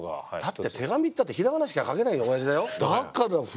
だって手紙ったって平仮名しか書けない親父だよ。